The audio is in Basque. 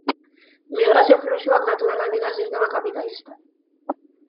Migrazio fluxuak naturalak dira sistema kapitalistan.